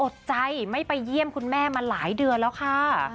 อดใจไม่ไปเยี่ยมคุณแม่มาหลายเดือนแล้วค่ะ